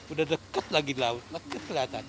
udah deket lagi di laut deket kelihatan